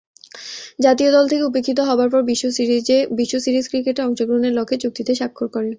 জাতীয় দল থেকে উপেক্ষিত হবার পর বিশ্ব সিরিজ ক্রিকেটে অংশগ্রহণের লক্ষ্যে চুক্তিতে স্বাক্ষর করেন।